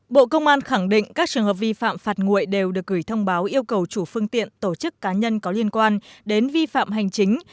bộ công an khẳng định các trường hợp vi phạm phạt nguội đều được gửi thông báo yêu cầu chủ phương tiện tổ chức cá nhân có liên quan đến vi phạm hành chính